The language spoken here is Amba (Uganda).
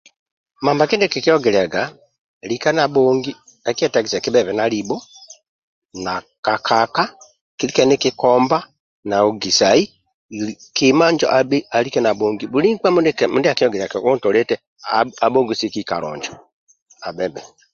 Mbamba kindie kikiongiliaga lika nabhongi akietagisa kibhebe na libho na kakaka kilike nikikikomba naogusai buli nkpa mindia akiogiliagabe ontolie eti abhongosie kikalo injo abhe bhinjo